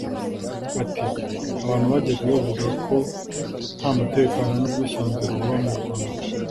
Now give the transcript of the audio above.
Ati “Abantu bajyaga bavuga ko nta mutekano n’ubwisanzure buba mu Rwanda